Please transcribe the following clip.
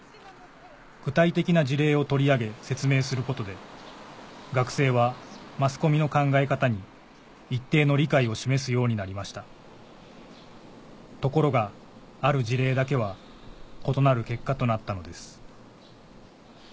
具体的な事例を取り上げ説明することで学生はマスコミの考え方に一定の理解を示すようになりましたところがある事例だけは異なる結果となったのです